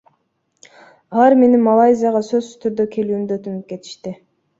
Алар мени Малайзияга сөзсүз түрдө келүүмдү өтүнүп кетишти.